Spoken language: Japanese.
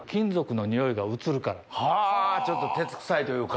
はぁちょっと鉄臭いというか。